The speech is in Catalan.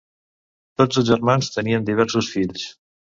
Tots els germans tenien diversos fills.